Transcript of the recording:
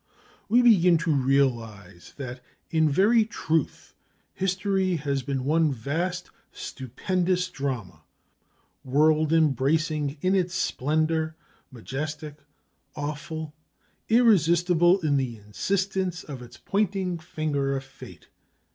We begin to realize that in very truth History has been one vast stupendous drama, world embracing in its splendor, majestic, awful, irresistible in the insistence of its pointing finger of fate.